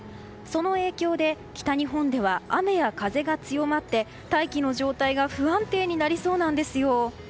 その影響で北日本では雨や風が強まって大気の状態が不安定になりそうなんですよ。